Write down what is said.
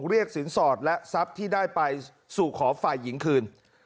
เรียกสินสอดและทรัพย์ที่ได้ไปสู่ขอฝ่ายหญิงคืน